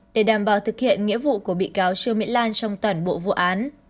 để đảm bảo thực hiện nghĩa vụ của bị cáo trương mỹ lan trong toàn bộ vụ án